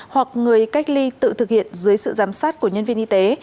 hoặc người cách ly tự thực hiện dưới sự giám sát của nhân viên y tế